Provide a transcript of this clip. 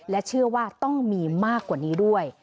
และเชื่อว่าต้องมีมากกว่านี้ด้วย